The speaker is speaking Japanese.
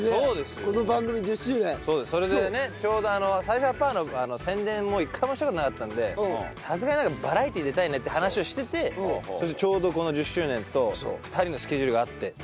ちょうど『最初はパー』の宣伝も一回もした事なかったのでさすがになんかバラエティ出たいねって話をしててちょうどこの１０周年と２人のスケジュールが合って。